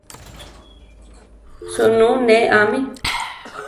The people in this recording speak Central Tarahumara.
Suunú ne amí.